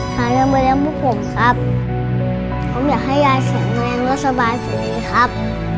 หาเงินมาเลี้ยงพวกผมครับผมอยากให้ยายแสนแม่งและสบายสุดยอดครับ